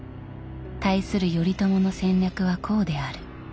対する頼朝の戦略はこうである。